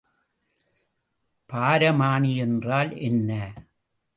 பாரமானி என்றால் என்ன?